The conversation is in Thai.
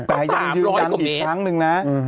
แต่ยังยืนยันอีกครั้งหนึ่งนะ